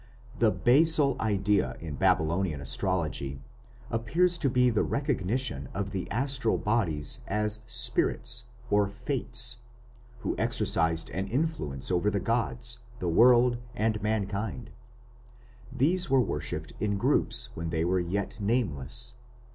The basal idea in Babylonian astrology appears to be the recognition of the astral bodies as spirits or fates, who exercised an influence over the gods, the world, and mankind. These were worshipped in groups when they were yet nameless.